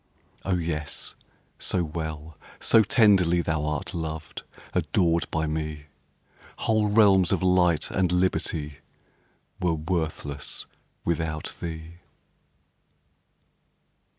Oh, yes, so well, so tenderly Thou'rt loved, adored by me, Whole realms of light and liberty Were worthless without thee.